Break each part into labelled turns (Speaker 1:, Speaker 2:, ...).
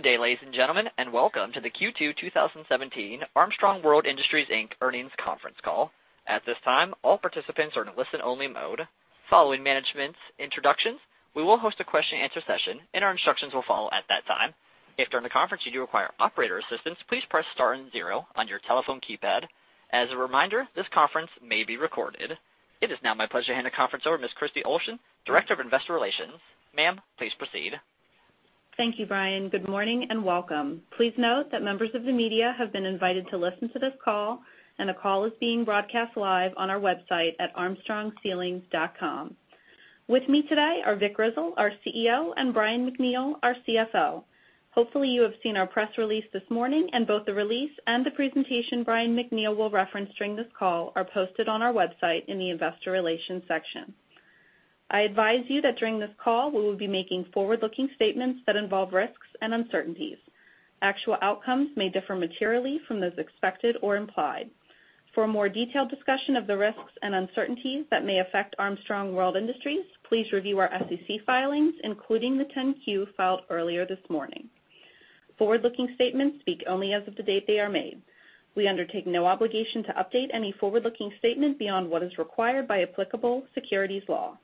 Speaker 1: Good day, ladies and gentlemen, welcome to the Q2 2017 Armstrong World Industries Inc. earnings conference call. At this time, all participants are in listen-only mode. Following management's introductions, we will host a question and answer session. Our instructions will follow at that time. If during the conference you do require operator assistance, please press star and zero on your telephone keypad. As a reminder, this conference may be recorded. It is now my pleasure to hand the conference over to Kristy Olson, Director of Investor Relations. Ma'am, please proceed.
Speaker 2: Thank you, Brian. Good morning and welcome. Please note that members of the media have been invited to listen to this call. The call is being broadcast live on our website at armstrongceilings.com. With me today are Vic Grizzle, our CEO, and Brian MacNeal, our CFO. Hopefully, you have seen our press release this morning. Both the release and the presentation Brian MacNeal will reference during this call are posted on our website in the investor relations section. I advise you that during this call, we will be making forward-looking statements that involve risks and uncertainties. Actual outcomes may differ materially from those expected or implied. For a more detailed discussion of the risks and uncertainties that may affect Armstrong World Industries, please review our SEC filings, including the 10-Q filed earlier this morning. Forward-looking statements speak only as of the date they are made. We undertake no obligation to update any forward-looking statement beyond what is required by applicable securities law.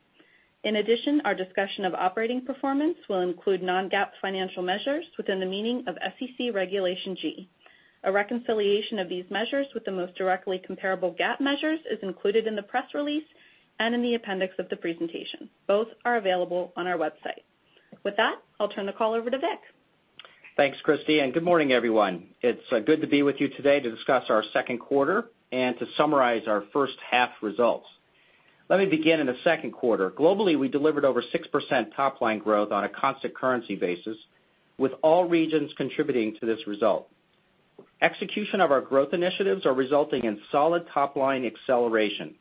Speaker 2: In addition, our discussion of operating performance will include non-GAAP financial measures within the meaning of SEC Regulation G. A reconciliation of these measures with the most directly comparable GAAP measures is included in the press release and in the appendix of the presentation. Both are available on our website. With that, I'll turn the call over to Vic.
Speaker 3: Thanks, Kristy. Good morning, everyone. It's good to be with you today to discuss our second quarter and to summarize our first half results. Let me begin in the second quarter. Globally, we delivered over 6% top-line growth on a constant currency basis, with all regions contributing to this result. Execution of our growth initiatives are resulting in solid top-line acceleration.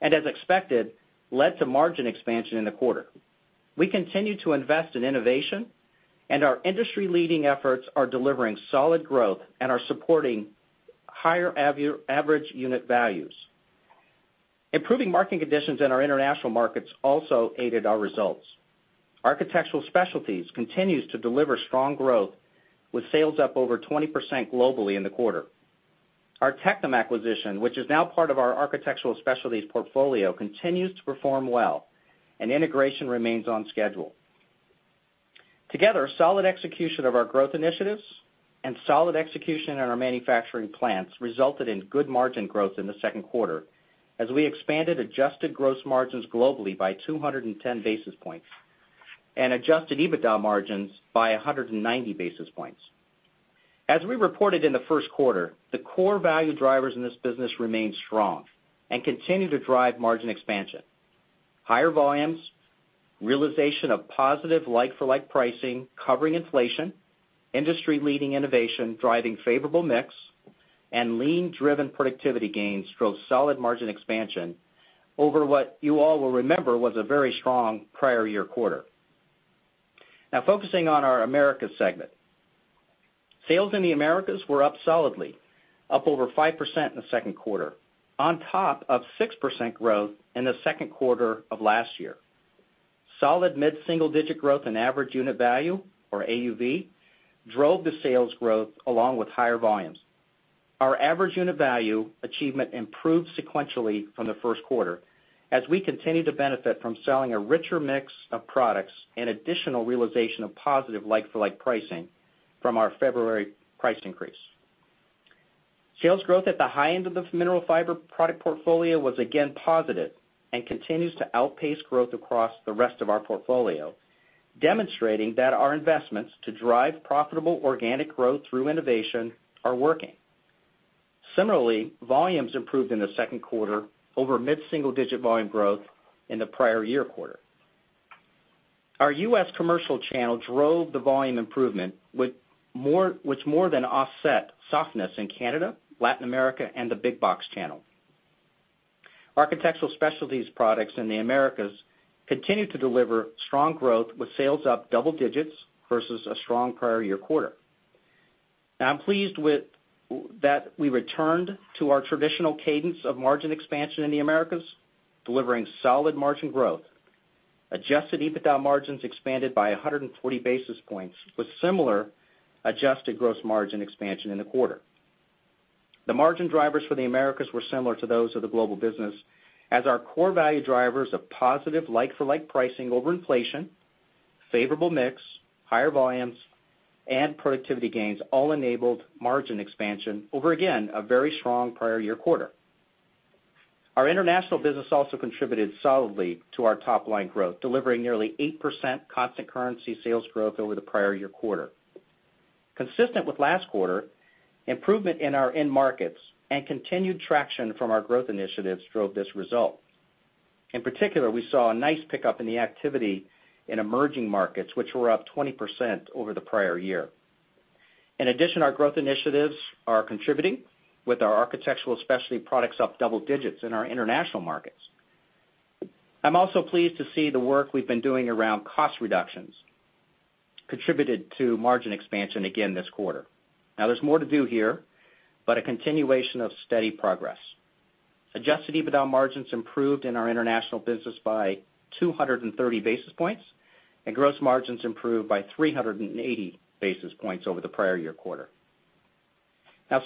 Speaker 3: As expected, led to margin expansion in the quarter. We continue to invest in innovation. Our industry-leading efforts are delivering solid growth and are supporting higher average unit values. Improving market conditions in our international markets also aided our results. Architectural Specialties continues to deliver strong growth with sales up over 20% globally in the quarter. Our Tectum acquisition, which is now part of our Architectural Specialties portfolio, continues to perform well and integration remains on schedule. Together, solid execution of our growth initiatives and solid execution in our manufacturing plants resulted in good margin growth in the second quarter as we expanded adjusted gross margins globally by 210 basis points and adjusted EBITDA margins by 190 basis points. As we reported in the first quarter, the core value drivers in this business remain strong and continue to drive margin expansion. Higher volumes, realization of positive like-for-like pricing, covering inflation, industry-leading innovation, driving favorable mix, and lean-driven productivity gains drove solid margin expansion over what you all will remember was a very strong prior year quarter. Focusing on our Americas segment. Sales in the Americas were up solidly, up over 5% in the second quarter, on top of 6% growth in the second quarter of last year. Solid mid-single-digit growth in average unit value or AUV drove the sales growth along with higher volumes. Our average unit value achievement improved sequentially from the first quarter as we continue to benefit from selling a richer mix of products and additional realization of positive like-for-like pricing from our February price increase. Sales growth at the high end of the Mineral Fiber product portfolio was again positive and continues to outpace growth across the rest of our portfolio, demonstrating that our investments to drive profitable organic growth through innovation are working. Similarly, volumes improved in the second quarter over mid-single-digit volume growth in the prior year quarter. Our U.S. commercial channel drove the volume improvement, which more than offset softness in Canada, Latin America, and the big box channel. Architectural Specialties products in the Americas continued to deliver strong growth with sales up double digits versus a strong prior year quarter. I'm pleased that we returned to our traditional cadence of margin expansion in the Americas, delivering solid margin growth. Adjusted EBITDA margins expanded by 140 basis points with similar adjusted gross margin expansion in the quarter. The margin drivers for the Americas were similar to those of the global business as our core value drivers of positive like-for-like pricing over inflation, favorable mix, higher volumes, and productivity gains all enabled margin expansion over, again, a very strong prior year quarter. Our international business also contributed solidly to our top-line growth, delivering nearly 8% constant currency sales growth over the prior year quarter. Consistent with last quarter, improvement in our end markets and continued traction from our growth initiatives drove this result. In particular, we saw a nice pickup in the activity in emerging markets, which were up 20% over the prior year. In addition, our growth initiatives are contributing with our Architectural Specialties products up double digits in our international markets. I'm also pleased to see the work we've been doing around cost reductions contributed to margin expansion again this quarter. There's more to do here, but a continuation of steady progress. Adjusted EBITDA margins improved in our international business by 230 basis points, and gross margins improved by 380 basis points over the prior year quarter.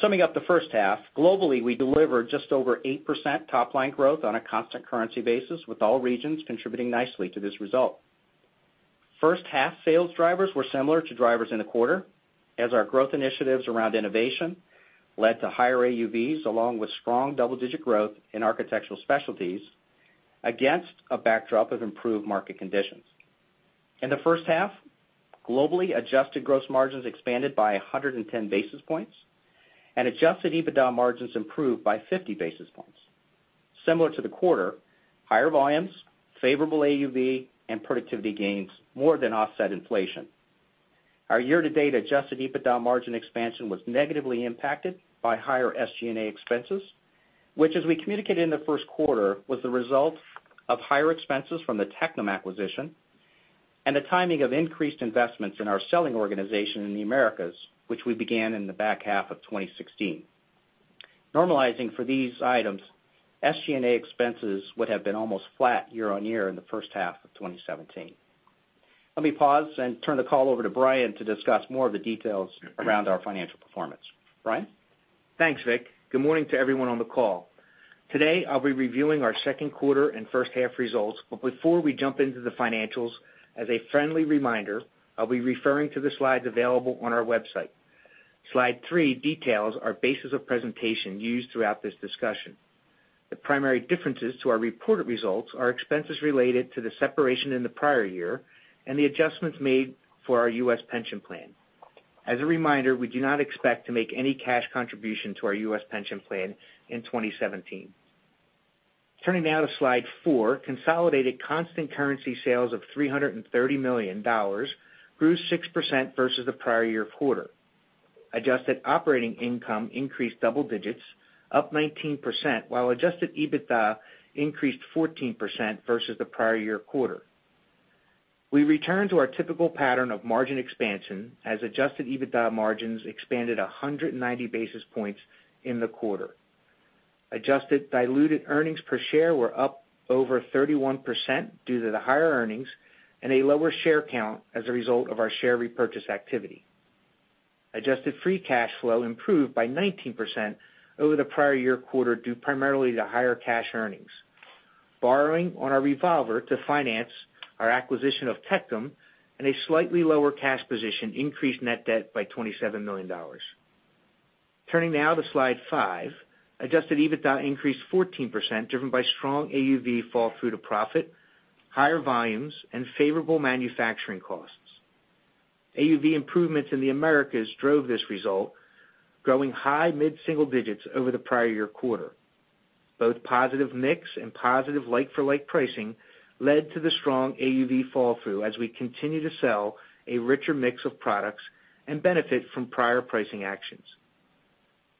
Speaker 3: Summing up the first half, globally, we delivered just over 8% top-line growth on a constant currency basis, with all regions contributing nicely to this result. First-half sales drivers were similar to drivers in the quarter, as our growth initiatives around innovation led to higher AUVs, along with strong double-digit growth in Architectural Specialties against a backdrop of improved market conditions. In the first half, globally adjusted gross margins expanded by 110 basis points, and adjusted EBITDA margins improved by 50 basis points. Similar to the quarter, higher volumes, favorable AUV, and productivity gains more than offset inflation. Our year-to-date adjusted EBITDA margin expansion was negatively impacted by higher SG&A expenses, which, as we communicated in the first quarter, was the result of higher expenses from the Tectum acquisition and the timing of increased investments in our selling organization in the Americas, which we began in the back half of 2016. Normalizing for these items, SG&A expenses would have been almost flat year-on-year in the first half of 2017. Let me pause and turn the call over to Brian to discuss more of the details around our financial performance. Brian?
Speaker 4: Thanks, Vic. Good morning to everyone on the call. Before we jump into the financials, as a friendly reminder, I'll be referring to the slides available on our website. Slide three details our basis of presentation used throughout this discussion. The primary differences to our reported results are expenses related to the separation in the prior year and the adjustments made for our U.S. pension plan. As a reminder, we do not expect to make any cash contribution to our U.S. pension plan in 2017. Turning now to Slide four, consolidated constant currency sales of $330 million grew 6% versus the prior year quarter. Adjusted operating income increased double digits, up 19%, while adjusted EBITDA increased 14% versus the prior year quarter. We return to our typical pattern of margin expansion as adjusted EBITDA margins expanded 190 basis points in the quarter. Adjusted diluted earnings per share were up over 31% due to the higher earnings and a lower share count as a result of our share repurchase activity. Adjusted free cash flow improved by 19% over the prior year quarter, due primarily to higher cash earnings. Borrowing on our revolver to finance our acquisition of Tectum and a slightly lower cash position increased net debt by $27 million. Turning now to Slide five, adjusted EBITDA increased 14%, driven by strong AUV fall through to profit, higher volumes, and favorable manufacturing costs. AUV improvements in the Americas drove this result, growing high mid-single-digits over the prior year quarter. Both positive mix and positive like-for-like pricing led to the strong AUV fall through as we continue to sell a richer mix of products and benefit from prior pricing actions.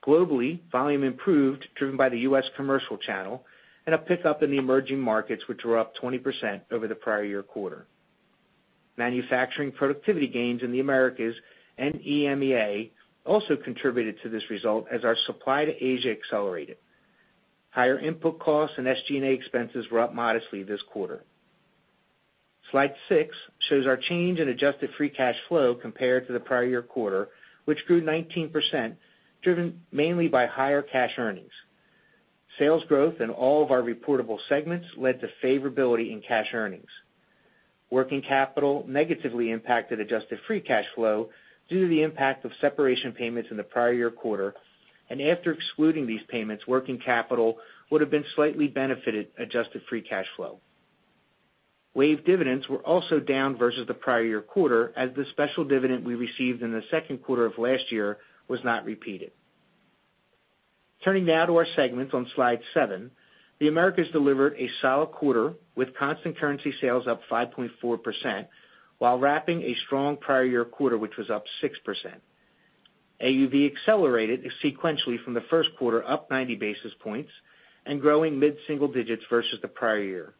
Speaker 4: Globally, volume improved, driven by the U.S. commercial channel and a pickup in the emerging markets, which were up 20% over the prior year quarter. Manufacturing productivity gains in the Americas and EMEA also contributed to this result as our supply to Asia accelerated. Higher input costs and SG&A expenses were up modestly this quarter. Slide six shows our change in adjusted free cash flow compared to the prior year quarter, which grew 19%, driven mainly by higher cash earnings. Sales growth in all of our reportable segments led to favorability in cash earnings. Working capital negatively impacted adjusted free cash flow due to the impact of separation payments in the prior year quarter. After excluding these payments, working capital would have slightly benefited adjusted free cash flow. WAVE dividends were also down versus the prior year quarter, as the special dividend we received in the second quarter of last year was not repeated. Turning now to our segments on Slide seven. The Americas delivered a solid quarter, with constant currency sales up 5.4%, while wrapping a strong prior year quarter, which was up 6%. AUV accelerated sequentially from the first quarter, up 90 basis points, and growing mid-single digits versus the prior year.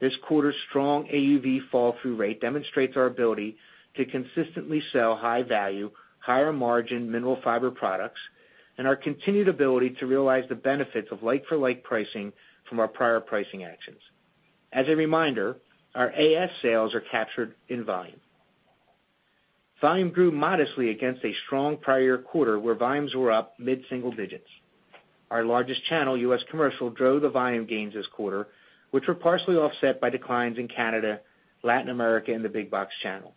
Speaker 4: This quarter's strong AUV fall-through rate demonstrates our ability to consistently sell high-value, higher-margin Mineral Fiber products and our continued ability to realize the benefits of like-for-like pricing from our prior pricing actions. As a reminder, our AS sales are captured in volume. Volume grew modestly against a strong prior year quarter where volumes were up mid-single digits. Our largest channel, U.S. commercial, drove the volume gains this quarter, which were partially offset by declines in Canada, Latin America, and the big box channel.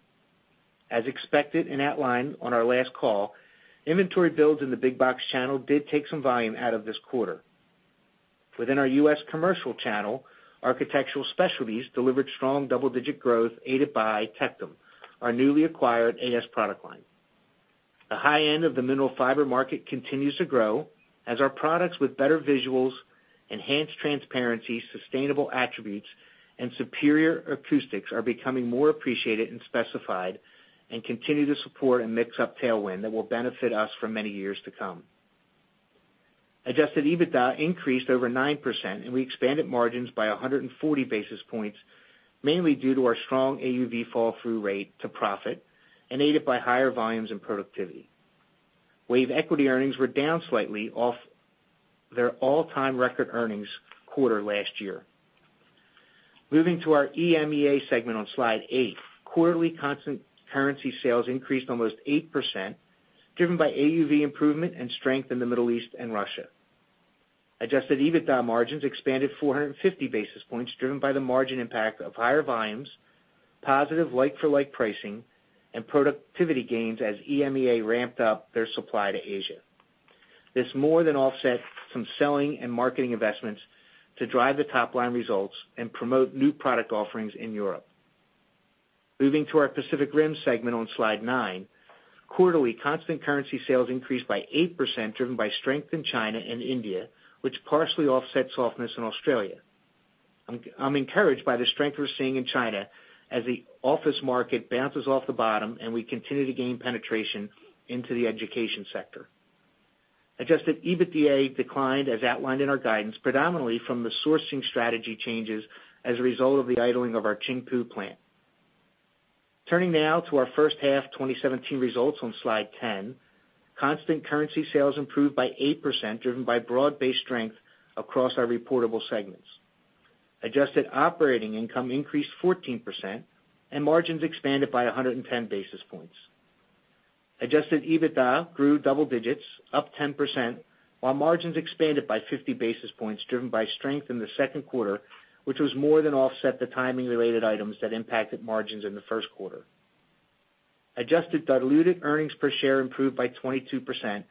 Speaker 4: As expected and outlined on our last call, inventory builds in the big box channel did take some volume out of this quarter. Within our U.S. commercial channel, Architectural Specialties delivered strong double-digit growth aided by Tectum, our newly acquired AS product line. The high end of the Mineral Fiber market continues to grow as our products with better visuals, enhanced transparency, sustainable attributes, and superior acoustics are becoming more appreciated and specified and continue to support a mix-up tailwind that will benefit us for many years to come. Adjusted EBITDA increased over 9%, and we expanded margins by 140 basis points mainly due to our strong AUV fall-through rate to profit and aided by higher volumes and productivity. WAVE equity earnings were down slightly off their all-time record earnings quarter last year. Moving to our EMEA segment on Slide eight. Quarterly constant currency sales increased almost 8%, driven by AUV improvement and strength in the Middle East and Russia. Adjusted EBITDA margins expanded 450 basis points, driven by the margin impact of higher volumes, positive like-for-like pricing, and productivity gains as EMEA ramped up their supply to Asia. This more than offset some selling and marketing investments to drive the top-line results and promote new product offerings in Europe. Moving to our Pacific Rim segment on Slide nine. Quarterly constant currency sales increased by 8%, driven by strength in China and India, which partially offset softness in Australia. I'm encouraged by the strength we're seeing in China as the office market bounces off the bottom, and we continue to gain penetration into the education sector. Adjusted EBITDA declined as outlined in our guidance, predominantly from the sourcing strategy changes as a result of the idling of our Qingpu plant. Turning now to our first half 2017 results on Slide 10. Constant currency sales improved by 8%, driven by broad-based strength across our reportable segments. Adjusted operating income increased 14%, and margins expanded by 110 basis points. Adjusted EBITDA grew double digits up 10%, while margins expanded by 50 basis points, driven by strength in the second quarter, which was more than offset the timing-related items that impacted margins in the first quarter. Adjusted diluted earnings per share improved by 22%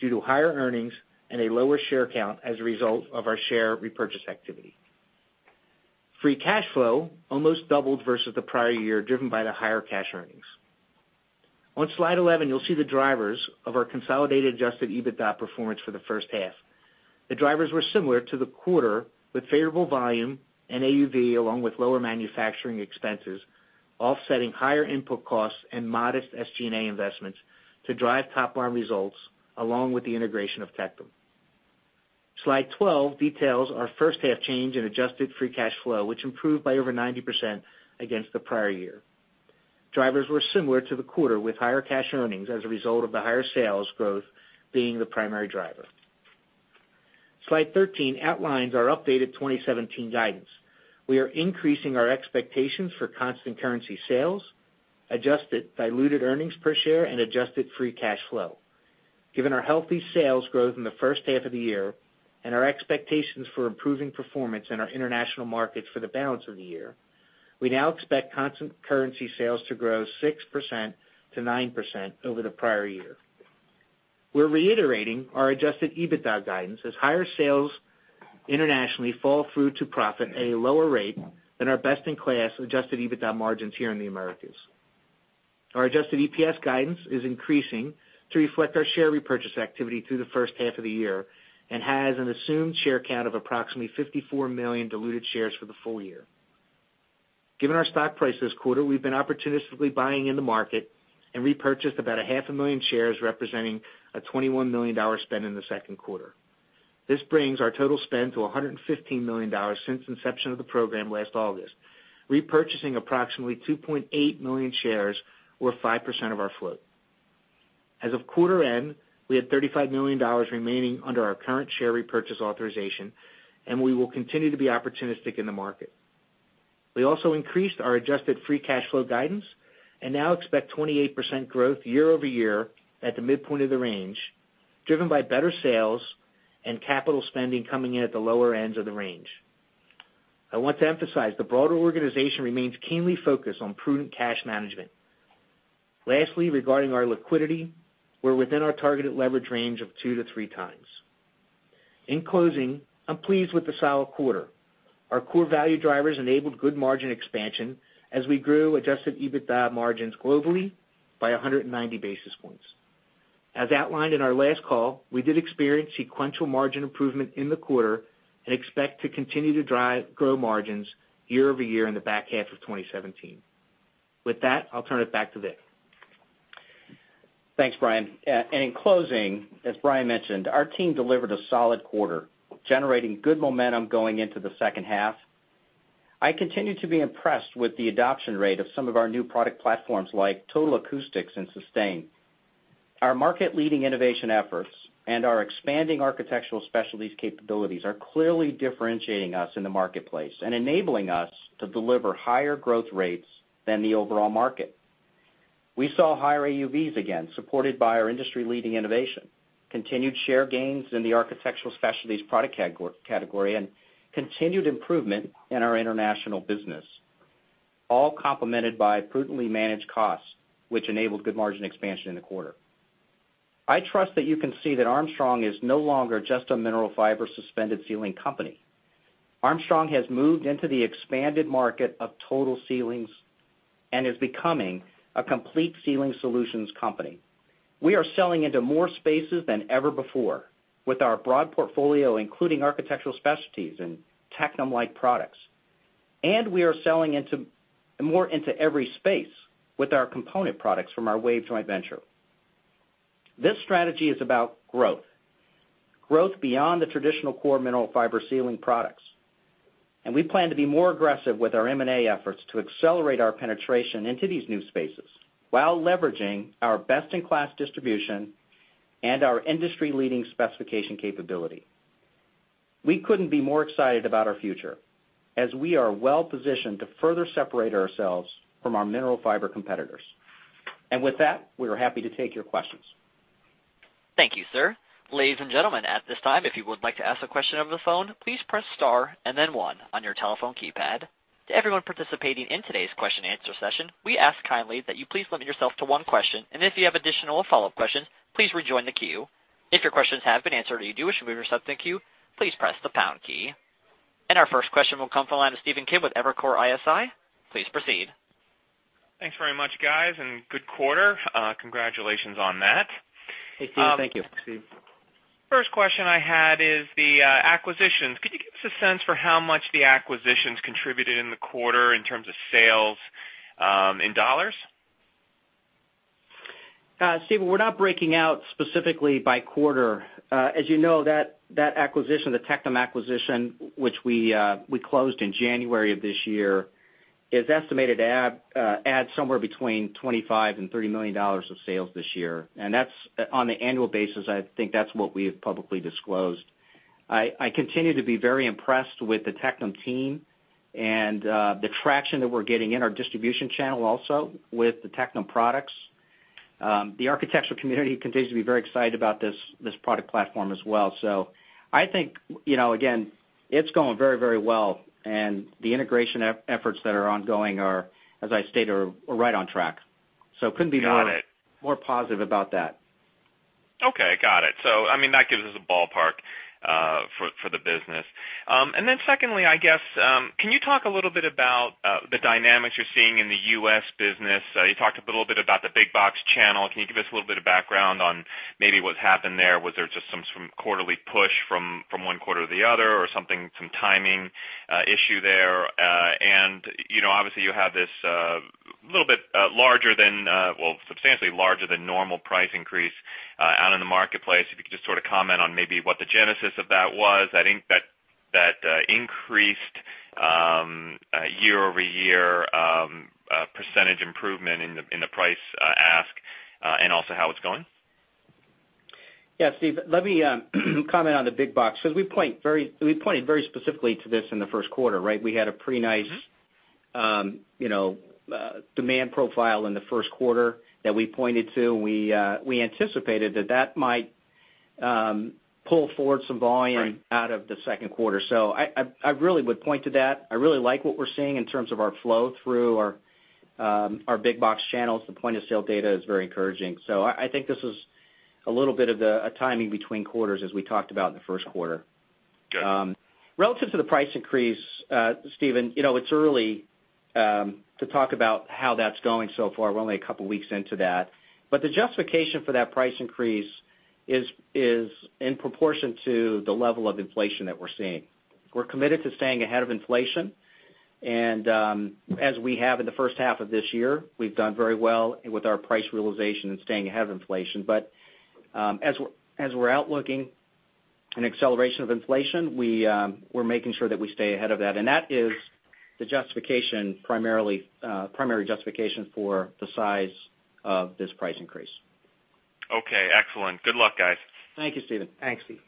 Speaker 4: due to higher earnings and a lower share count as a result of our share repurchase activity. Free cash flow almost doubled versus the prior year, driven by the higher cash earnings. On Slide 11, you'll see the drivers of our consolidated adjusted EBITDA performance for the first half. The drivers were similar to the quarter, with favorable volume and AUV, along with lower manufacturing expenses, offsetting higher input costs and modest SG&A investments to drive top-line results, along with the integration of Tectum. Slide 12 details our first-half change in adjusted free cash flow, which improved by over 90% against the prior year. Drivers were similar to the quarter, with higher cash earnings as a result of the higher sales growth being the primary driver. Slide 13 outlines our updated 2017 guidance. We are increasing our expectations for constant currency sales, adjusted diluted earnings per share, and adjusted free cash flow. Given our healthy sales growth in the first half of the year and our expectations for improving performance in our international markets for the balance of the year, we now expect constant currency sales to grow 6%-9% over the prior year. We're reiterating our adjusted EBITDA guidance as higher sales internationally fall through to profit at a lower rate than our best-in-class adjusted EBITDA margins here in the Americas. Our adjusted EPS guidance is increasing to reflect our share repurchase activity through the first half of the year and has an assumed share count of approximately 54 million diluted shares for the full year. Given our stock price this quarter, we've been opportunistically buying in the market and repurchased about a half a million shares, representing a $21 million spend in the second quarter. This brings our total spend to $115 million since inception of the program last August, repurchasing approximately 2.8 million shares or 5% of our float. As of quarter end, we had $35 million remaining under our current share repurchase authorization, and we will continue to be opportunistic in the market. We also increased our adjusted free cash flow guidance and now expect 28% growth year-over-year at the midpoint of the range, driven by better sales and capital spending coming in at the lower ends of the range. I want to emphasize the broader organization remains keenly focused on prudent cash management. Lastly, regarding our liquidity, we're within our targeted leverage range of two to three times. In closing, I'm pleased with the solid quarter. Our core value drivers enabled good margin expansion as we grew adjusted EBITDA margins globally by 190 basis points. As outlined in our last call, we did experience sequential margin improvement in the quarter and expect to continue to drive grow margins year-over-year in the back half of 2017. With that, I'll turn it back to Vic.
Speaker 3: In closing, as Brian mentioned, our team delivered a solid quarter, generating good momentum going into the second half. I continue to be impressed with the adoption rate of some of our new product platforms like Total Acoustics and SUSTAIN. Our market-leading innovation efforts and our expanding Architectural Specialties capabilities are clearly differentiating us in the marketplace and enabling us to deliver higher growth rates than the overall market. We saw higher AUVs again, supported by our industry-leading innovation, continued share gains in the Architectural Specialties product category, and continued improvement in our international business, all complemented by prudently managed costs, which enabled good margin expansion in the quarter. I trust that you can see that Armstrong is no longer just a Mineral Fiber suspended ceiling company. Armstrong has moved into the expanded market of total ceilings and is becoming a complete ceiling solutions company. We are selling into more spaces than ever before with our broad portfolio, including Architectural Specialties and Tectum-like products, and we are selling more into every space with our component products from our WAVE joint venture. This strategy is about growth. Growth beyond the traditional core Mineral Fiber ceiling products. We plan to be more aggressive with our M&A efforts to accelerate our penetration into these new spaces while leveraging our best-in-class distribution and our industry-leading specification capability. We couldn't be more excited about our future, as we are well-positioned to further separate ourselves from our Mineral Fiber competitors. With that, we are happy to take your questions.
Speaker 1: Thank you, sir. Ladies and gentlemen, at this time, if you would like to ask a question over the phone, please press star and then one on your telephone keypad. To everyone participating in today's question and answer session, we ask kindly that you please limit yourself to one question, and if you have additional or follow-up questions, please rejoin the queue. If your questions have been answered or you do wish to remove yourself from the queue, please press the pound key. Our first question will come from the line of Stephen Kim with Evercore ISI. Please proceed.
Speaker 5: Thanks very much, guys. Good quarter. Congratulations on that.
Speaker 3: Hey, Steve. Thank you.
Speaker 4: Thanks, Steve.
Speaker 5: First question I had is the acquisitions. Could you give us a sense for how much the acquisitions contributed in the quarter in terms of sales in dollars?
Speaker 3: Steve, we're not breaking out specifically by quarter. As you know, that acquisition, the Tectum acquisition, which we closed in January of this year, is estimated to add somewhere between $25 and $30 million of sales this year. On the annual basis, I think that's what we have publicly disclosed. I continue to be very impressed with the Tectum team and the traction that we're getting in our distribution channel also with the Tectum products. The architectural community continues to be very excited about this product platform as well. I think, again, it's going very well, and the integration efforts that are ongoing are, as I stated, are right on track.
Speaker 5: Got it
Speaker 3: more positive about that.
Speaker 5: Okay, got it. That gives us a ballpark for the business. Secondly, I guess, can you talk a little bit about the dynamics you're seeing in the U.S. business? You talked a little bit about the big box channel. Can you give us a little bit of background on maybe what's happened there? Was there just some quarterly push from one quarter to the other or some timing issue there? Obviously you have this little bit larger than, well, substantially larger than normal price increase out in the marketplace. If you could just sort of comment on maybe what the genesis of that was, I think that increased year-over-year percentage improvement in the price ask, and also how it's going.
Speaker 3: Yeah, Steve, let me comment on the big box, because we pointed very specifically to this in the first quarter, right? We had a pretty nice demand profile in the first quarter that we pointed to, and we anticipated that that might pull forward some volume-
Speaker 5: Right
Speaker 3: I really would point to that. I really like what we're seeing in terms of our flow through our big box channels. The point-of-sale data is very encouraging. I think this is a little bit of the timing between quarters, as we talked about in the first quarter.
Speaker 5: Got it.
Speaker 3: Relative to the price increase, Stephen, it's early to talk about how that's going so far. We're only a couple of weeks into that. The justification for that price increase is in proportion to the level of inflation that we're seeing. We're committed to staying ahead of inflation. As we have in the first half of this year, we've done very well with our price realization and staying ahead of inflation. As we're outlooking an acceleration of inflation, we're making sure that we stay ahead of that. That is the primary justification for the size of this price increase.
Speaker 5: Okay, excellent. Good luck, guys.
Speaker 3: Thank you, Stephen.
Speaker 4: Thanks, Stephen.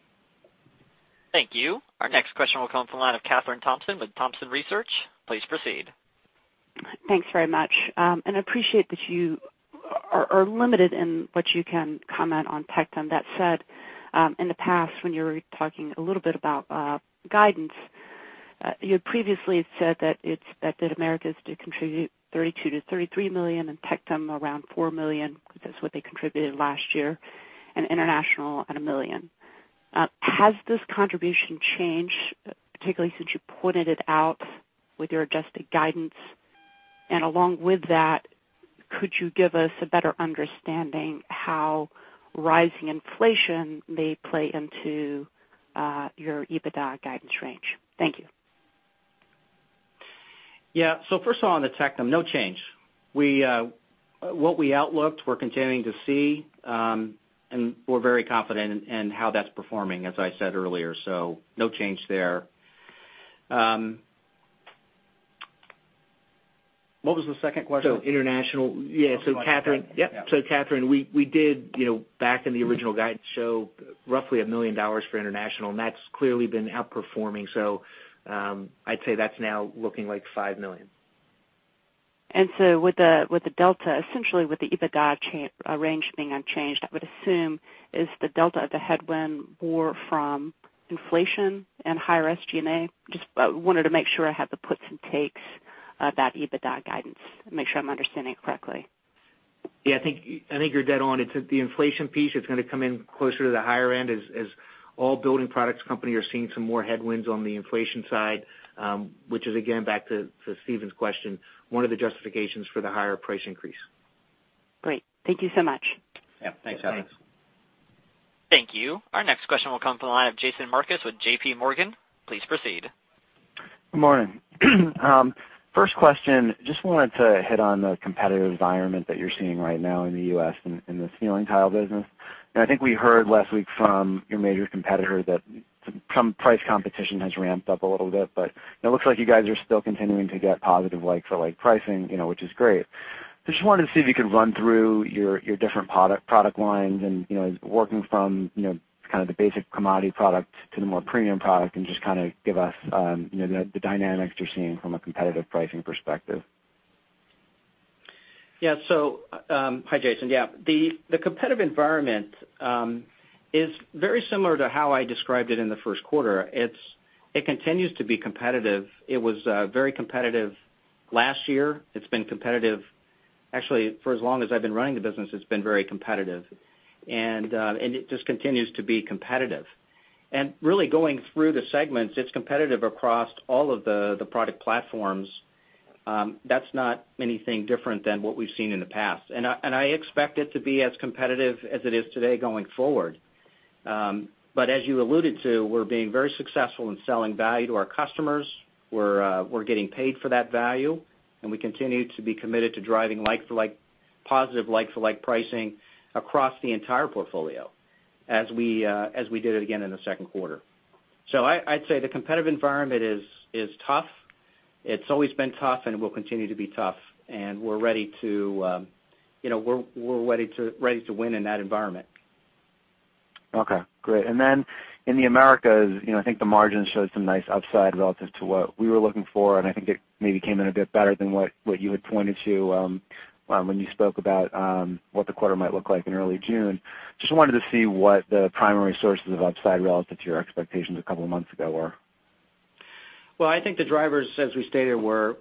Speaker 1: Thank you. Our next question will come from the line of Kathryn with Thompson Research. Please proceed.
Speaker 6: Thanks very much. I appreciate that you are limited in what you can comment on Tectum. That said, in the past, when you were talking a little bit about guidance, you had previously said that Americas to contribute $32 million-$33 million, and Tectum around $4 million. That's what they contributed last year. International at $1 million. Has this contribution changed, particularly since you pointed it out with your adjusted guidance? Along with that, could you give us a better understanding how rising inflation may play into your EBITDA guidance range? Thank you.
Speaker 3: Yeah. First of all, on the Tectum, no change. What we outlooked, we're continuing to see, and we're very confident in how that's performing, as I said earlier. No change there.
Speaker 4: What was the second question?
Speaker 3: International. Yeah.
Speaker 4: International.
Speaker 3: Kathryn, we did back in the original guide show roughly $1 million for international, that's clearly been outperforming. I'd say that's now looking like $5 million.
Speaker 6: With the delta, essentially with the EBITDA range being unchanged, I would assume is the delta of the headwind more from inflation and higher SG&A? Just wanted to make sure I have the puts and takes of that EBITDA guidance, make sure I'm understanding it correctly.
Speaker 4: Yeah, I think you're dead on. It's the inflation piece that's going to come in closer to the higher end as all building products company are seeing some more headwinds on the inflation side, which is again, back to Stephen's question, one of the justifications for the higher price increase.
Speaker 6: Great. Thank you so much.
Speaker 3: Yeah. Thanks, Kathryn.
Speaker 1: Thank you. Our next question will come from the line of Jason Marcus with JPMorgan. Please proceed.
Speaker 7: Good morning. First question, just wanted to hit on the competitive environment that you're seeing right now in the U.S. in the ceiling tile business. I think we heard last week from your major competitor that price competition has ramped up a little bit, it looks like you guys are still continuing to get positive like-for-like pricing, which is great. Just wanted to see if you could run through your different product lines and working from kind of the basic commodity product to the more premium product, and just kind of give us the dynamics you're seeing from a competitive pricing perspective.
Speaker 3: Yeah. Hi, Jason. Yeah. The competitive environment, is very similar to how I described it in the first quarter. It continues to be competitive. It was very competitive last year. It's been competitive, actually, for as long as I've been running the business, it's been very competitive. It just continues to be competitive. Really going through the segments, it's competitive across all of the product platforms. That's not anything different than what we've seen in the past. I expect it to be as competitive as it is today going forward. As you alluded to, we're being very successful in selling value to our customers. We're getting paid for that value, and we continue to be committed to driving positive like-for-like pricing across the entire portfolio, as we did it again in the second quarter. I'd say the competitive environment is tough. It's always been tough and will continue to be tough, and we're ready to win in that environment.
Speaker 7: Okay, great. Then in the Americas, I think the margins showed some nice upside relative to what we were looking for. I think it maybe came in a bit better than what you had pointed to, when you spoke about what the quarter might look like in early June. Just wanted to see what the primary sources of upside relative to your expectations a couple of months ago were.
Speaker 3: Well, I think the drivers, as we stated, were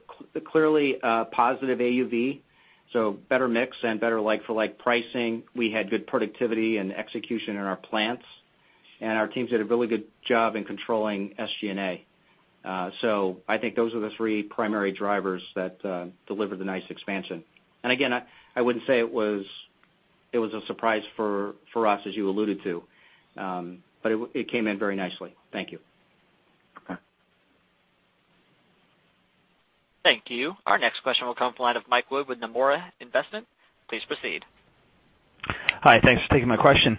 Speaker 3: clearly a positive AUV, so better mix and better like-for-like pricing. We had good productivity and execution in our plants, and our teams did a really good job in controlling SG&A. I think those are the three primary drivers that delivered the nice expansion. Again, I wouldn't say it was a surprise for us, as you alluded to, but it came in very nicely. Thank you.
Speaker 7: Okay.
Speaker 1: Thank you. Our next question will come from the line of Mike Wood with Nomura Instinet. Please proceed.
Speaker 8: Hi, thanks for taking my question.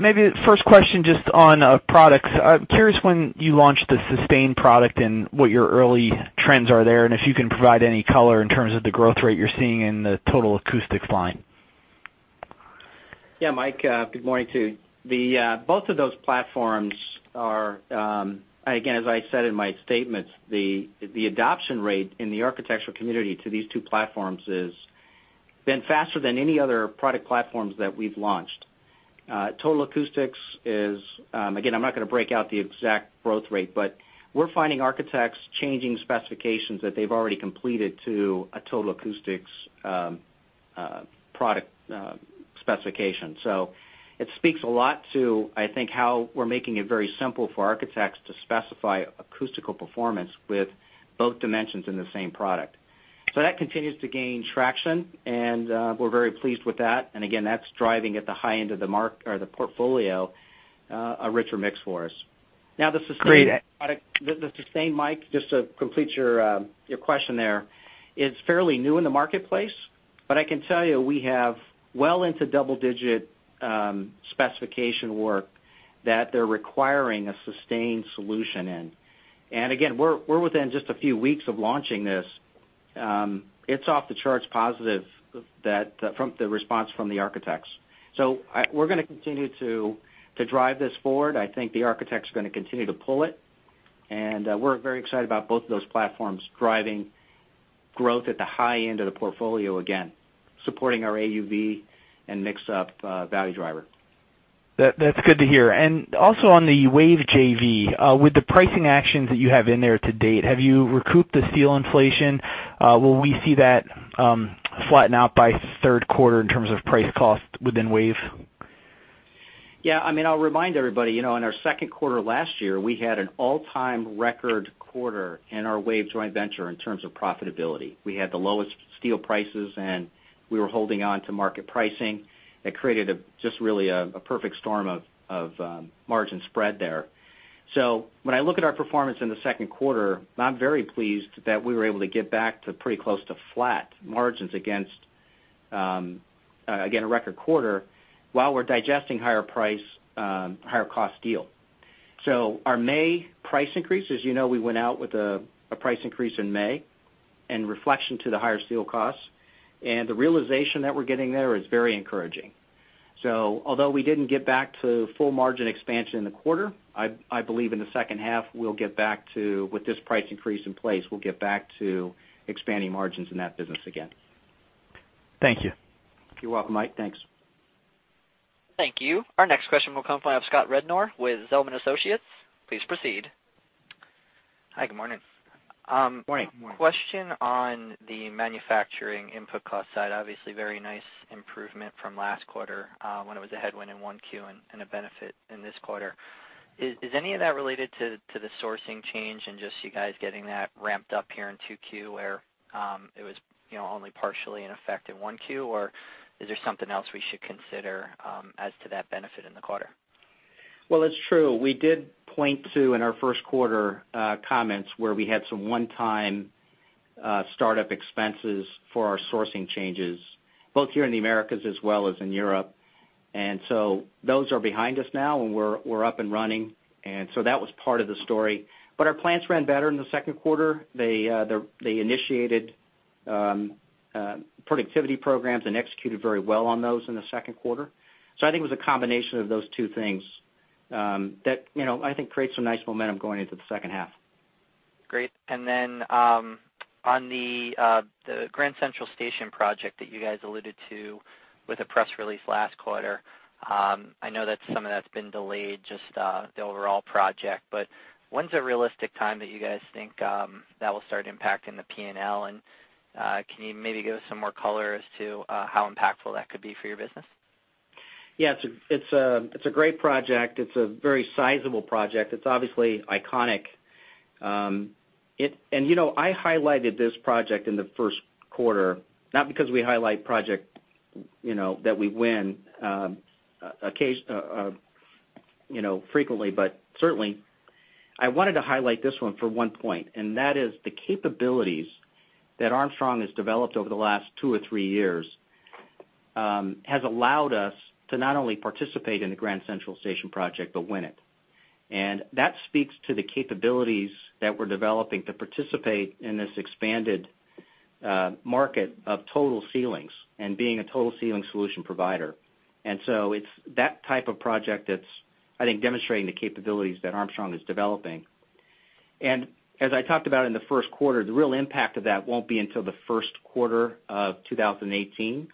Speaker 8: Maybe the first question just on products. I'm curious when you launched the SUSTAIN product and what your early trends are there, and if you can provide any color in terms of the growth rate you're seeing in the Total Acoustics line.
Speaker 3: Yeah, Mike, good morning to you. Both of those platforms are, again, as I said in my statements, the adoption rate in the architectural community to these two platforms has been faster than any other product platforms that we've launched. Total Acoustics is, again, I'm not going to break out the exact growth rate, but we're finding architects changing specifications that they've already completed to a Total Acoustics product specification. It speaks a lot to, I think, how we're making it very simple for architects to specify acoustical performance with both dimensions in the same product. That continues to gain traction, and we're very pleased with that. Again, that's driving at the high end of the portfolio, a richer mix for us. Now, the SUSTAIN product-
Speaker 8: Great.
Speaker 3: The SUSTAIN, Mike, just to complete your question there, is fairly new in the marketplace, but I can tell you we have well into double-digit specification work that they're requiring a SUSTAIN solution in. Again, we're within just a few weeks of launching this. It's off the charts positive from the response from the architects. We're going to continue to drive this forward. I think the architects are going to continue to pull it, and we're very excited about both of those platforms driving growth at the high end of the portfolio, again, supporting our AUV and mix-up value driver.
Speaker 8: That's good to hear. Also on the WAVE JV, with the pricing actions that you have in there to date, have you recouped the steel inflation? Will we see that flatten out by third quarter in terms of price cost within WAVE?
Speaker 3: I'll remind everybody, in our second quarter last year, we had an all-time record quarter in our Wave joint venture in terms of profitability. We had the lowest steel prices, and we were holding on to market pricing. That created just really a perfect storm of margin spread there. When I look at our performance in the second quarter, I'm very pleased that we were able to get back to pretty close to flat margins against, again, a record quarter while we're digesting higher cost steel. Our May price increase, as you know, we went out with a price increase in May in reflection to the higher steel costs, and the realization that we're getting there is very encouraging. Although we didn't get back to full margin expansion in the quarter, I believe in the second half, with this price increase in place, we'll get back to expanding margins in that business again.
Speaker 8: Thank you.
Speaker 3: You're welcome, Mike. Thanks.
Speaker 1: Thank you. Our next question will come from Scott Rednor with Zelman & Associates. Please proceed.
Speaker 9: Hi, good morning.
Speaker 3: Morning.
Speaker 9: Question on the manufacturing input cost side, obviously very nice improvement from last quarter, when it was a headwind in 1Q and a benefit in this quarter. Is any of that related to the sourcing change and just you guys getting that ramped up here in Q2 where it was only partially in effect in Q1, or is there something else we should consider as to that benefit in the quarter?
Speaker 3: Well, it's true. We did point to, in our first quarter comments, where we had some one-time startup expenses for our sourcing changes, both here in the Americas as well as in Europe. Those are behind us now, and we're up and running. That was part of the story. Our plants ran better in the second quarter. They initiated productivity programs and executed very well on those in the second quarter. I think it was a combination of those two things that I think creates some nice momentum going into the second half.
Speaker 9: Great. On the Grand Central Station project that you guys alluded to with a press release last quarter, I know that some of that's been delayed, just the overall project. When's a realistic time that you guys think that will start impacting the P&L? Can you maybe give us some more color as to how impactful that could be for your business?
Speaker 3: Yeah, it's a great project. It's a very sizable project. It's obviously iconic. I highlighted this project in the first quarter, not because we highlight project that we win frequently, but certainly, I wanted to highlight this one for one point, and that is the capabilities that Armstrong has developed over the last two or three years, has allowed us to not only participate in the Grand Central Station project, but win it. That speaks to the capabilities that we're developing to participate in this expanded market of total ceilings and being a total ceiling solution provider. It's that type of project that's, I think, demonstrating the capabilities that Armstrong is developing. As I talked about in the first quarter, the real impact of that won't be until the first quarter of 2018.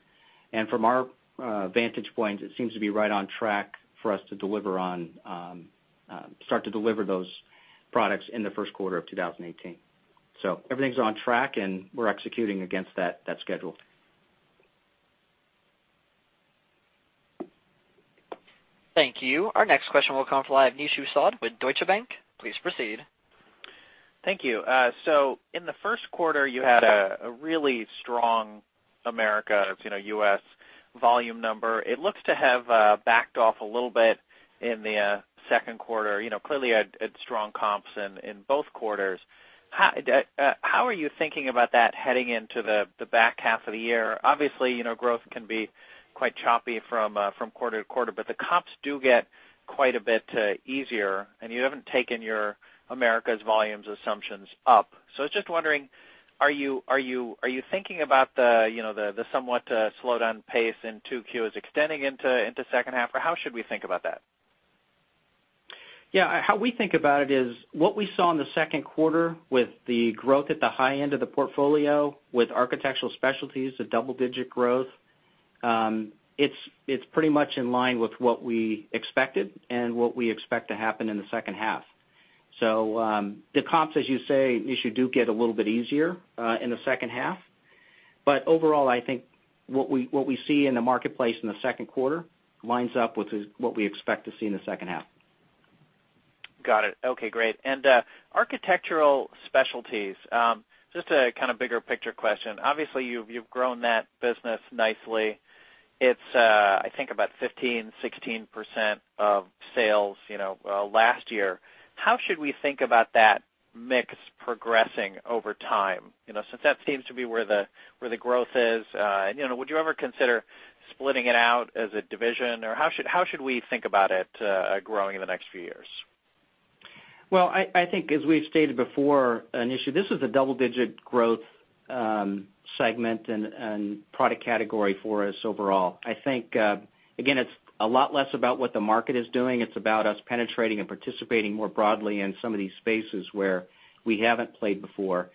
Speaker 3: From our vantage point, it seems to be right on track for us to start to deliver those products in the first quarter of 2018. Everything's on track, and we're executing against that schedule.
Speaker 1: Thank you. Our next question will come from the line of Nishu Sood with Deutsche Bank. Please proceed.
Speaker 10: Thank you. In the first quarter, you had a really strong Americas, U.S. volume number. It looks to have backed off a little bit in the second quarter, clearly had strong comps in both quarters. How are you thinking about that heading into the back half of the year? Obviously, growth can be quite choppy from quarter to quarter, but the comps do get quite a bit easier, and you haven't taken your Americas volumes assumptions up. I was just wondering, are you thinking about the somewhat slowed down pace in Q2 is extending into second half, or how should we think about that?
Speaker 3: How we think about it is what we saw in the second quarter with the growth at the high end of the portfolio with Architectural Specialties, the double-digit growth, it's pretty much in line with what we expected and what we expect to happen in the second half. The comps, as you say, Nishu, do get a little bit easier in the second half. Overall, I think what we see in the marketplace in the second quarter lines up with what we expect to see in the second half.
Speaker 10: Got it. Okay, great. Architectural Specialties, just a kind of bigger picture question. Obviously, you've grown that business nicely. It's, I think, about 15%-16% of sales last year. How should we think about that mix progressing over time? Since that seems to be where the growth is, would you ever consider splitting it out as a division, or how should we think about it growing in the next few years?
Speaker 3: Well, I think as we've stated before, Nishu, this is a double-digit growth segment and product category for us overall. I think, again, it's a lot less about what the market is doing. It's about us penetrating and participating more broadly in some of these spaces where we haven't played before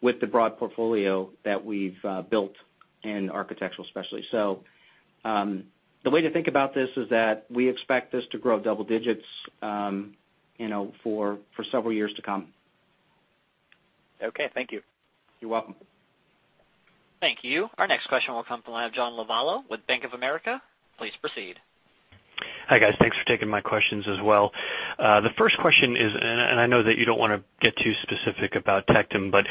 Speaker 3: with the broad portfolio that we've built in Architectural Specialties. The way to think about this is that we expect this to grow double digits for several years to come.
Speaker 10: Okay, thank you.
Speaker 3: You're welcome.
Speaker 1: Thank you. Our next question will come from the line of John Lovallo with Bank of America. Please proceed.
Speaker 11: Hi, guys. Thanks for taking my questions as well. The first question is, I know that you don't want to get too specific about Tectum, but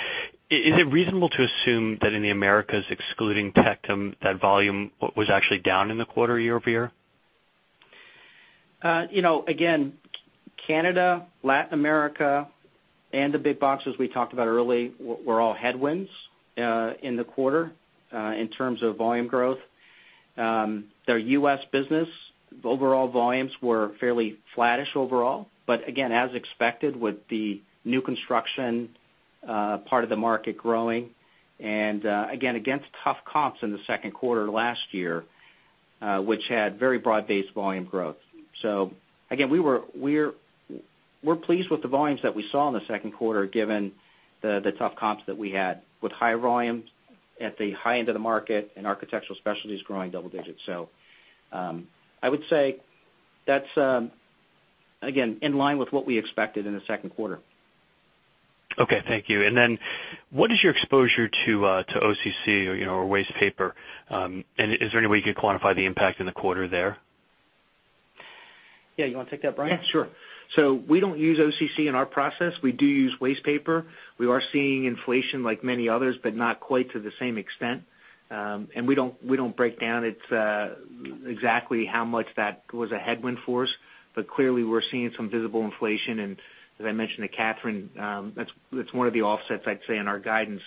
Speaker 11: is it reasonable to assume that in the Americas, excluding Tectum, that volume was actually down in the quarter year-over-year?
Speaker 3: Again, Canada, Latin America, and the big box, as we talked about earlier, were all headwinds in the quarter in terms of volume growth. The U.S. business overall volumes were fairly flattish overall, again, as expected with the new construction part of the market growing and, again, against tough comps in the second quarter last year, which had very broad-based volume growth. Again, we're pleased with the volumes that we saw in the second quarter given the tough comps that we had with high volumes at the high end of the market and Architectural Specialties growing double digits. I would say that's, again, in line with what we expected in the second quarter.
Speaker 11: Okay. Thank you. What is your exposure to OCC or wastepaper, and is there any way you could quantify the impact in the quarter there?
Speaker 3: Yeah. You want to take that, Brian?
Speaker 4: Yeah, sure. We don't use OCC in our process. We do use wastepaper. We are seeing inflation like many others, but not quite to the same extent. We don't break down exactly how much that was a headwind for us. Clearly we're seeing some visible inflation, and as I mentioned to Kathryn, that's one of the offsets, I'd say, in our guidance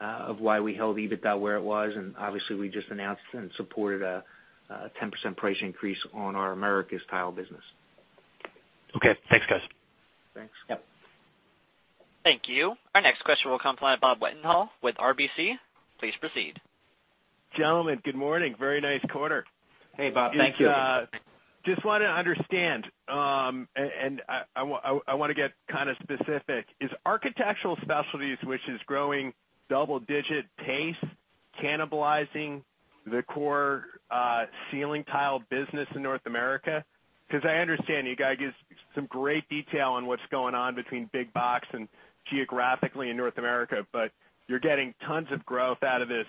Speaker 4: of why we held EBITDA where it was, and obviously we just announced and supported a 10% price increase on our Americas tile business.
Speaker 11: Okay. Thanks, guys.
Speaker 4: Thanks.
Speaker 3: Yep.
Speaker 1: Thank you. Our next question will come from Robert Wetenhall with RBC. Please proceed.
Speaker 12: Gentlemen, good morning. Very nice quarter.
Speaker 3: Hey, Bob. Thank you.
Speaker 12: Just want to understand, I want to get kind of specific, is Architectural Specialties, which is growing double digit pace, cannibalizing the core ceiling tile business in North America? Because I understand you guys give some great detail on what's going on between big box and geographically in North America, but you're getting tons of growth out of this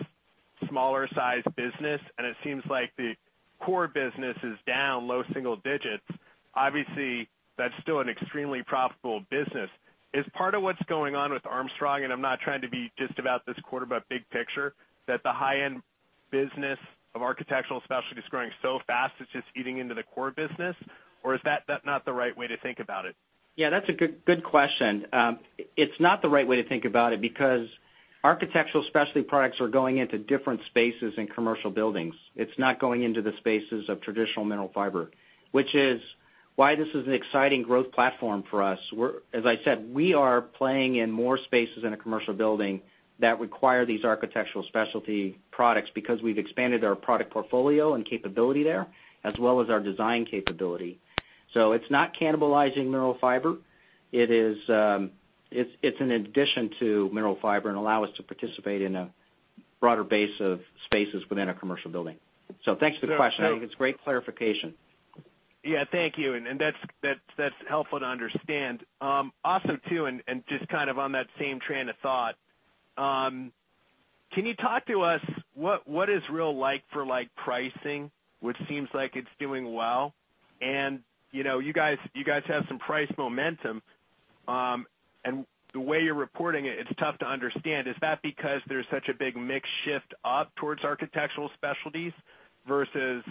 Speaker 12: smaller size business, and it seems like the core business is down low single digits. Obviously, that's still an extremely profitable business. Is part of what's going on with Armstrong, and I'm not trying to be just about this quarter, but big picture, that the high-end business of Architectural Specialty is growing so fast, it's just eating into the core business, or is that not the right way to think about it?
Speaker 3: Yeah, that's a good question. It's not the right way to think about it because Architectural Specialty products are going into different spaces in commercial buildings. It's not going into the spaces of traditional Mineral Fiber, which is why this is an exciting growth platform for us, where, as I said, we are playing in more spaces in a commercial building that require these Architectural Specialty products because we've expanded our product portfolio and capability there, as well as our design capability. It's not cannibalizing Mineral Fiber. It's an addition to Mineral Fiber and allow us to participate in a broader base of spaces within a commercial building. Thanks for the question. I think it's great clarification.
Speaker 12: Yeah. Thank you. That's helpful to understand. Also too, just kind of on that same train of thought, can you talk to us what is real like for like pricing, which seems like it's doing well? You guys have some price momentum. The way you're reporting it's tough to understand. Is that because there's such a big mix shift up towards Architectural Specialties versus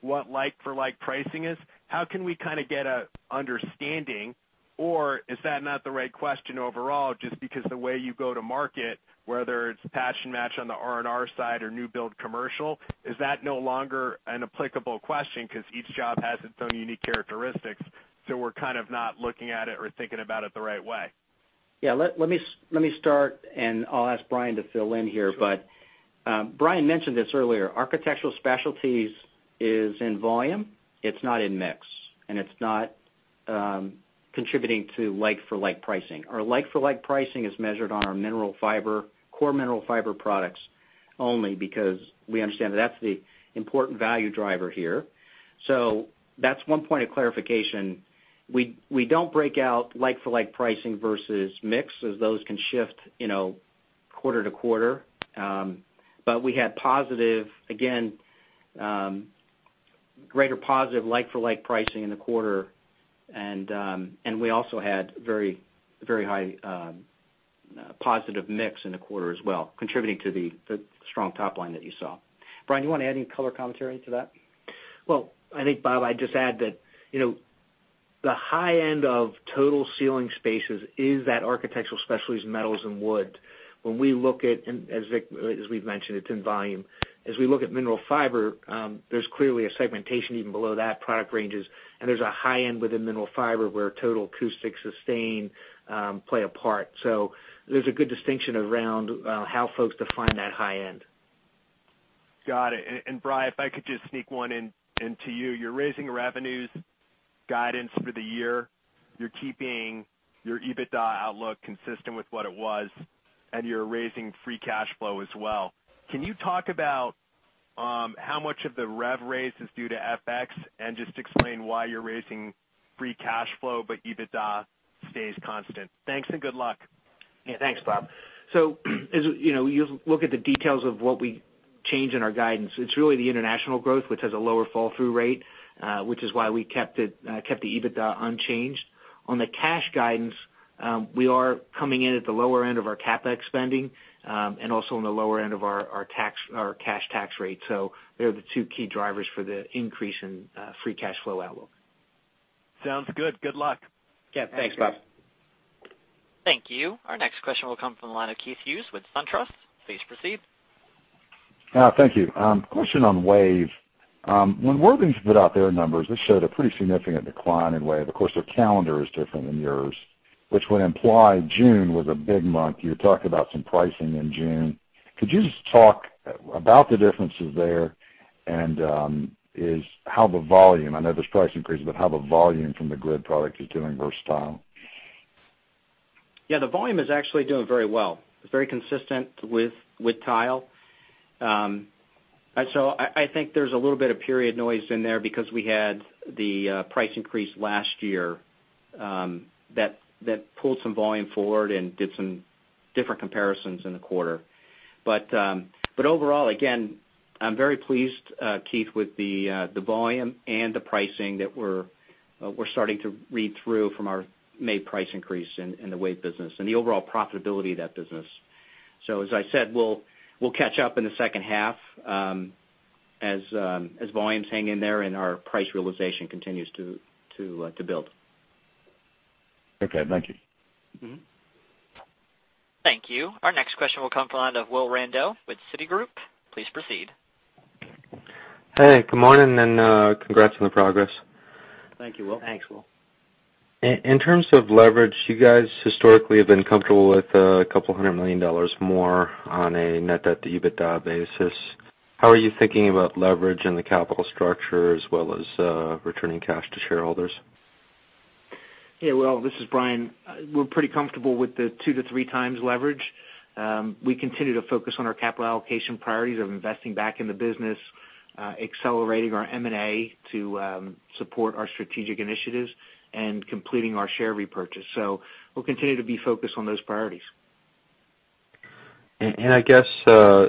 Speaker 12: what like for like pricing is? How can we kind of get an understanding, or is that not the right question overall, just because the way you go to market, whether it's patch and match on the R&R side or new build commercial, is that no longer an applicable question because each job has its own unique characteristics, so we're kind of not looking at it or thinking about it the right way?
Speaker 3: Let me start, and I'll ask Brian to fill in here, but Brian mentioned this earlier. Architectural Specialties is in volume. It's not in mix, and it's not contributing to like-for-like pricing. Our like-for-like pricing is measured on our Mineral Fiber, core Mineral Fiber products only because we understand that's the important value driver here. That's one point of clarification. We don't break out like-for-like pricing versus mix, as those can shift quarter-to-quarter. We had positive, again, greater positive like-for-like pricing in the quarter, and we also had very high positive mix in the quarter as well, contributing to the strong top-line that you saw. Brian, you want to add any color commentary to that?
Speaker 4: Bob, I'd just add that the high end of total ceiling spaces is that Architectural Specialties, metals and wood. As we look at, as we've mentioned, it's in volume. As we look at Mineral Fiber, there's clearly a segmentation even below that product ranges, and there's a high end within Mineral Fiber where Total Acoustics Sustain play a part. There's a good distinction around how folks define that high end.
Speaker 12: Got it. Brian, if I could just sneak one in to you. You're raising revenues guidance for the year. You're keeping your EBITDA outlook consistent with what it was, and you're raising free cash flow as well. Can you talk about how much of the rev raise is due to FX, and just explain why you're raising free cash flow, EBITDA stays constant. Thanks and good luck.
Speaker 4: Thanks, Bob. As you look at the details of what we change in our guidance, it's really the international growth, which has a lower fall-through rate, which is why we kept the EBITDA unchanged. On the cash guidance, we are coming in at the lower end of our CapEx spending, and also on the lower end of our cash tax rate. They're the two key drivers for the increase in free cash flow outlook.
Speaker 12: Sounds good. Good luck.
Speaker 4: Yeah. Thanks, Bob.
Speaker 3: Yeah. Thanks.
Speaker 1: Thank you. Our next question will come from the line of Keith Hughes with SunTrust. Please proceed.
Speaker 13: Thank you. Question on WAVE. When Worthington put out their numbers, they showed a pretty significant decline in WAVE. Of course, their calendar is different than yours, which would imply June was a big month. You talked about some pricing in June. Could you just talk about the differences there and how the volume, I know there's price increases, but how the volume from the grid product is doing versus tile?
Speaker 3: Yeah, the volume is actually doing very well. It's very consistent with tile. I think there's a little bit of period noise in there because we had the price increase last year, that pulled some volume forward and did some different comparisons in the quarter. Overall, again, I'm very pleased, Keith, with the volume and the pricing that we're starting to read through from our May price increase in the WAVE business and the overall profitability of that business. As I said, we'll catch up in the second half, as volumes hang in there and our price realization continues to build.
Speaker 13: Okay, thank you.
Speaker 1: Thank you. Our next question will come from the line of Will Randow with Citigroup. Please proceed.
Speaker 14: Hey, good morning, and congrats on the progress.
Speaker 3: Thank you, Will.
Speaker 4: Thanks, Will.
Speaker 14: In terms of leverage, you guys historically have been comfortable with a $couple of hundred million more on a net debt to EBITDA basis. How are you thinking about leverage in the capital structure as well as, returning cash to shareholders?
Speaker 4: Will, this is Brian. We're pretty comfortable with the 2x-3x leverage. We continue to focus on our capital allocation priorities of investing back in the business, accelerating our M&A to support our strategic initiatives, and completing our share repurchase. We'll continue to be focused on those priorities.
Speaker 14: I guess, a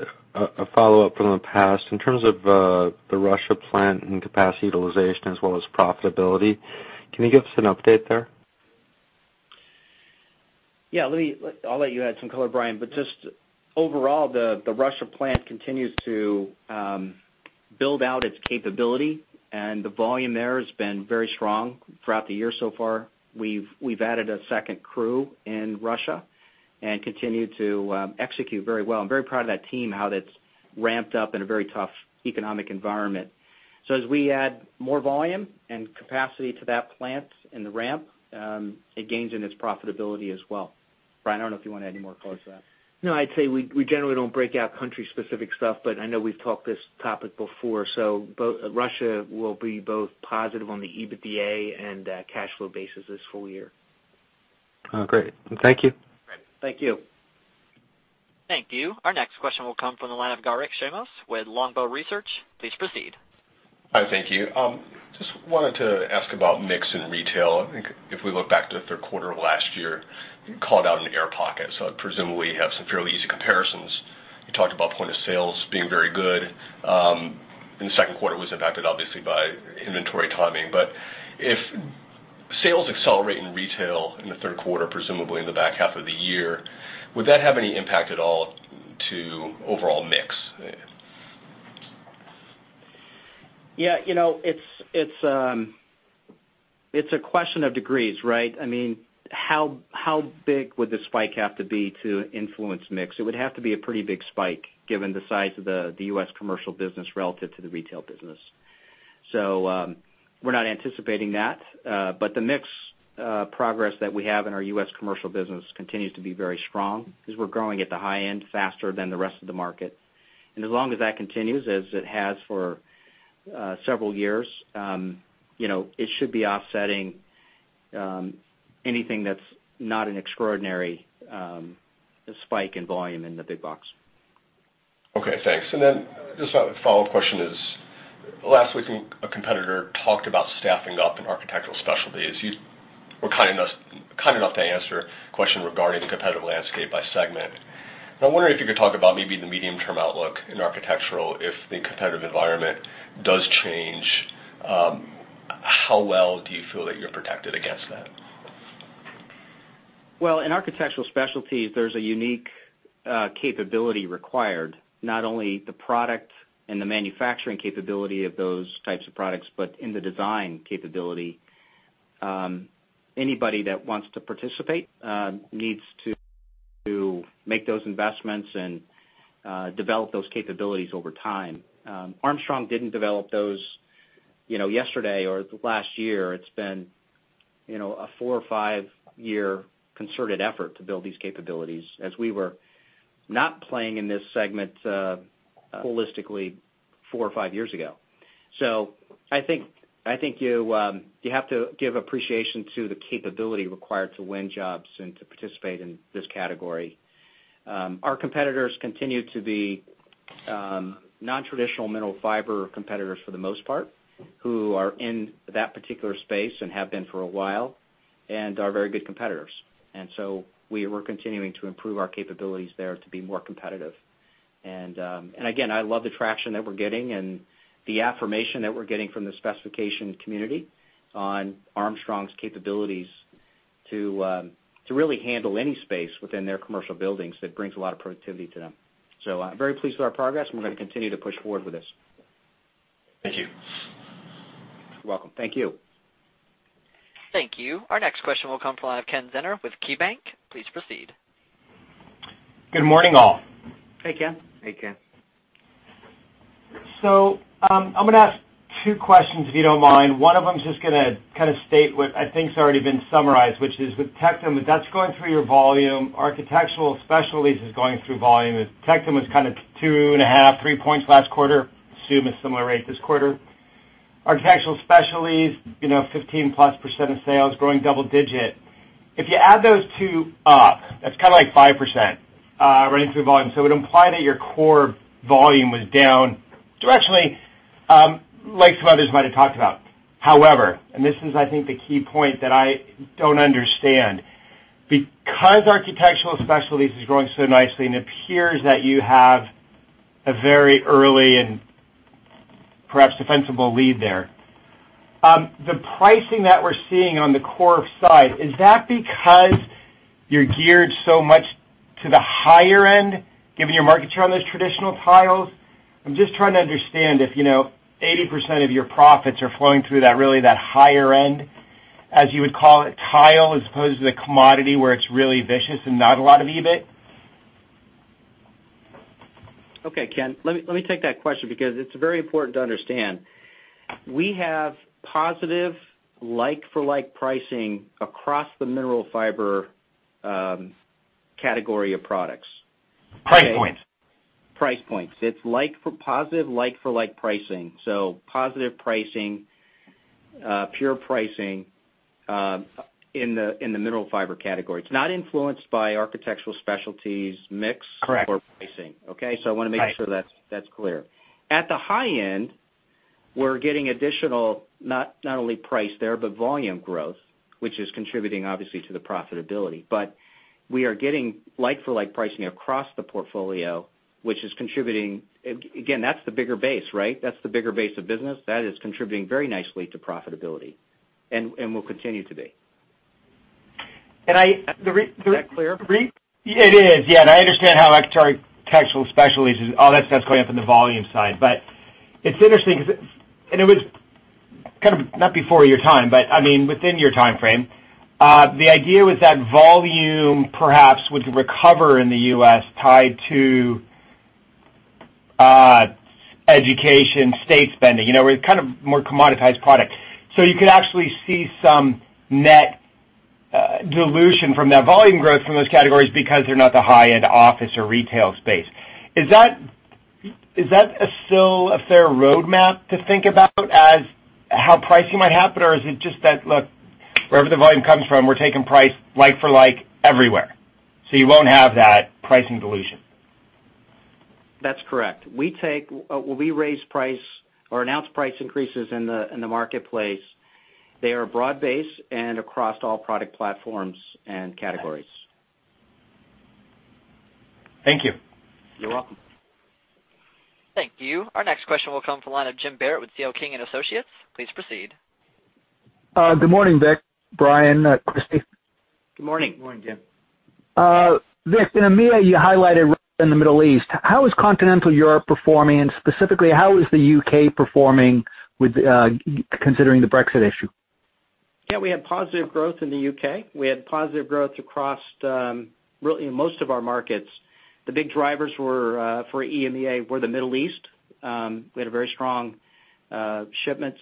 Speaker 14: follow-up from the past. In terms of the Russia plant and capacity utilization as well as profitability, can you give us an update there?
Speaker 3: I'll let you add some color, Brian, but just overall, the Russia plant continues to build out its capability, and the volume there has been very strong throughout the year so far. We've added a second crew in Russia and continue to execute very well. I'm very proud of that team, how that's ramped up in a very tough economic environment. As we add more volume and capacity to that plant and the ramp, it gains in its profitability as well. Brian, I don't know if you want to add any more color to that.
Speaker 4: No, I'd say we generally don't break out country-specific stuff, but I know we've talked this topic before. Russia will be both positive on the EBITDA and cash flow basis this full year.
Speaker 14: Great. Thank you.
Speaker 3: Great. Thank you.
Speaker 1: Thank you. Our next question will come from the line of Garik Shmois with Longbow Research. Please proceed.
Speaker 15: Hi, thank you. Just wanted to ask about mix in retail. I think if we look back to the third quarter of last year, you called out an air pocket. Presumably you have some fairly easy comparisons. You talked about point of sales being very good, the second quarter was impacted obviously by inventory timing. If sales accelerate in retail in the third quarter, presumably in the back half of the year, would that have any impact at all to overall mix?
Speaker 3: Yeah. It's a question of degrees, right? How big would the spike have to be to influence mix? It would have to be a pretty big spike given the size of the U.S. commercial business relative to the retail business. We're not anticipating that. The mix progress that we have in our U.S. commercial business continues to be very strong because we're growing at the high end faster than the rest of the market. As long as that continues as it has for several years, it should be offsetting anything that's not an extraordinary spike in volume in the big box.
Speaker 15: Okay, thanks. Just a follow-up question is, last week, a competitor talked about staffing up in Architectural Specialties. You were kind enough to answer a question regarding the competitive landscape by segment. I wonder if you could talk about maybe the medium-term outlook in Architectural, if the competitive environment does change, how well do you feel that you're protected against that?
Speaker 3: In Architectural Specialties, there's a unique capability required, not only the product and the manufacturing capability of those types of products, but in the design capability. Anybody that wants to participate, needs to make those investments and develop those capabilities over time. Armstrong didn't develop those yesterday or last year. It's been a four or five-year concerted effort to build these capabilities as we were not playing in this segment holistically four or five years ago. I think you have to give appreciation to the capability required to win jobs and to participate in this category. Our competitors continue to be non-traditional Mineral Fiber competitors for the most part, who are in that particular space and have been for a while and are very good competitors. We're continuing to improve our capabilities there to be more competitive. Again, I love the traction that we're getting and the affirmation that we're getting from the specification community on Armstrong's capabilities to really handle any space within their commercial buildings that brings a lot of productivity to them. I'm very pleased with our progress, we're going to continue to push forward with this.
Speaker 15: Thank you.
Speaker 3: You're welcome. Thank you.
Speaker 1: Thank you. Our next question will come from the line of Kenneth Zener with KeyBank. Please proceed.
Speaker 16: Good morning, all.
Speaker 3: Hey, Ken.
Speaker 4: Hey, Ken.
Speaker 16: I'm going to ask two questions, if you don't mind. One of them is just going to kind of state what I think has already been summarized, which is with Tectum, that's going through your volume. Architectural Specialties is going through volume. Tectum was kind of two and a half, three points last quarter. Assume a similar rate this quarter. Architectural Specialties, 15+% of sales, growing double digit. If you add those two up, that's like 5% running through volume. It would imply that your core volume was down directionally, like some others might have talked about. However, this is, I think, the key point that I don't understand. Because Architectural Specialties is growing so nicely, and it appears that you have a very early and perhaps defensible lead there. The pricing that we're seeing on the core side, is that because you're geared so much to the higher end, given your market share on those traditional tiles? I'm just trying to understand if 80% of your profits are flowing through that higher end, as you would call it, tile, as opposed to the commodity where it's really vicious and not a lot of EBIT?
Speaker 3: Okay, Ken, let me take that question because it's very important to understand. We have positive like-for-like pricing across the Mineral Fiber category of products.
Speaker 16: Price points.
Speaker 3: Price points. It's positive like-for-like pricing, positive pricing, pure pricing, in the Mineral Fiber category. It's not influenced by Architectural Specialties mix-
Speaker 16: Correct
Speaker 3: or pricing. Okay? I want to make sure that's clear. At the high end, we're getting additional, not only price there, but volume growth, which is contributing, obviously, to the profitability. We are getting like-for-like pricing across the portfolio, which is contributing, again, that's the bigger base, right? That's the bigger base of business. That is contributing very nicely to profitability and will continue to be.
Speaker 16: Can I
Speaker 3: Is that clear?
Speaker 16: It is, yeah. I understand how Architectural Specialties is all that stuff's going up in the volume side. It's interesting because, and it was kind of not before your time, but within your timeframe. The idea was that volume perhaps would recover in the U.S. tied to education, state spending, where it's kind of more commoditized product. You could actually see some net dilution from that volume growth from those categories because they're not the high-end office or retail space. Is that still a fair roadmap to think about as how pricing might happen, or is it just that, look, wherever the volume comes from, we're taking price like for like everywhere, so you won't have that pricing dilution?
Speaker 3: That's correct. We raise price or announce price increases in the marketplace. They are broad-based and across all product platforms and categories.
Speaker 16: Thank you.
Speaker 3: You're welcome.
Speaker 1: Thank you. Our next question will come from the line of James Barrett with C.L. King & Associates. Please proceed.
Speaker 17: Good morning, Vic, Brian, Kristy.
Speaker 3: Good morning.
Speaker 4: Good morning, Jim.
Speaker 17: Vic, in EMEA, you highlighted in the Middle East. How is Continental Europe performing, and specifically, how is the U.K. performing considering the Brexit issue?
Speaker 3: Yeah, we had positive growth in the U.K. We had positive growth across really most of our markets. The big drivers for EMEA were the Middle East. We had a very strong shipments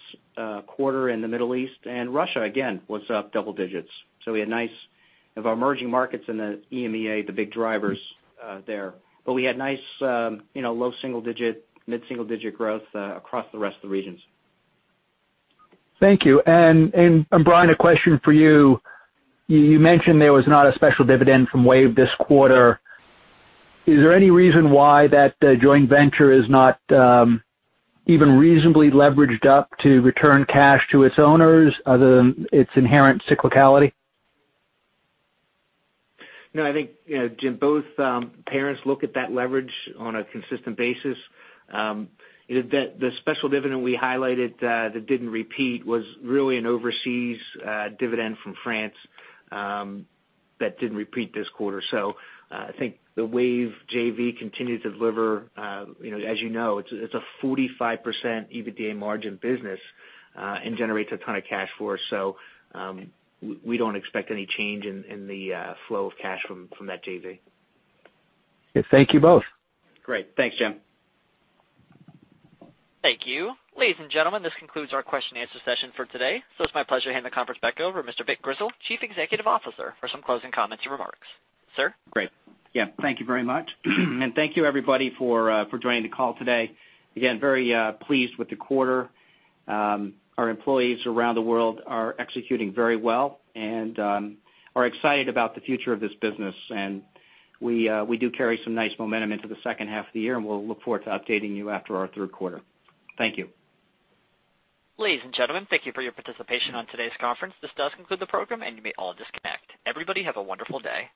Speaker 3: quarter in the Middle East, and Russia, again, was up double digits. We had nice of our emerging markets in the EMEA, the big drivers there. We had nice low single digit, mid-single digit growth across the rest of the regions.
Speaker 17: Thank you. Brian, a question for you. You mentioned there was not a special dividend from WAVE this quarter. Is there any reason why that joint venture is not even reasonably leveraged up to return cash to its owners other than its inherent cyclicality?
Speaker 4: I think, Jim, both parents look at that leverage on a consistent basis. The special dividend we highlighted that didn't repeat was really an overseas dividend from France that didn't repeat this quarter. I think the WAVE JV continued to deliver. As you know, it's a 45% EBITDA margin business and generates a ton of cash for us. We don't expect any change in the flow of cash from that JV.
Speaker 17: Thank you both.
Speaker 4: Great. Thanks, Jim.
Speaker 1: Thank you. Ladies and gentlemen, this concludes our question and answer session for today. It's my pleasure to hand the conference back over to Mr. Vic Grizzle, Chief Executive Officer, for some closing comments and remarks. Sir?
Speaker 3: Great. Yeah, thank you very much. Thank you everybody for joining the call today. Again, very pleased with the quarter. Our employees around the world are executing very well and are excited about the future of this business. We do carry some nice momentum into the second half of the year, and we'll look forward to updating you after our third quarter. Thank you.
Speaker 1: Ladies and gentlemen, thank you for your participation on today's conference. This does conclude the program, and you may all disconnect. Everybody, have a wonderful day.